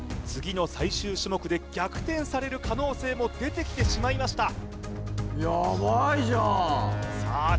次の最終種目で逆転される可能性も出てきてしまいましたさあ